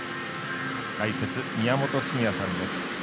解説、宮本慎也さんです。